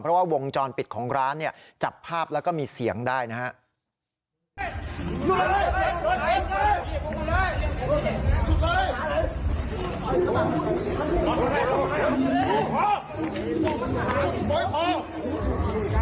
เพราะว่าวงจรปิดของร้านเนี่ยจับภาพแล้วก็มีเสียงได้นะครับ